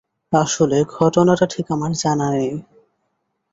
আসলে, ঘটনাটা ঠিক আমার জানা নেই।